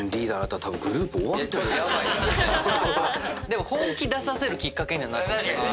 でも本気出させるきっかけにはなるかも。